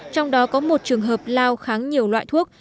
trong đó có một trường hợp lao kháng nhiều loại thuốc